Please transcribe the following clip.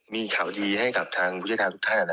มีข่าวดีให้กับทางผู้ใช้ทางทุกท่านนะครับ